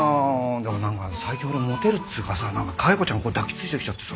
でもなんか最近俺モテるっつうかさなんかかわいこちゃん抱きついてきちゃってさ。